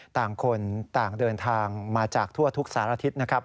ต่างคนต่างเดินทางมาจากทั่วทุกสารทิศนะครับ